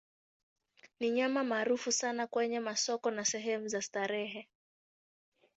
Ni nyama maarufu sana kwenye masoko na sehemu za starehe.